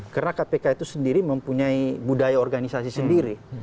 karena kpk itu sendiri mempunyai budaya organisasi sendiri